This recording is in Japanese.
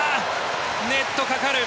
ネットにかかる。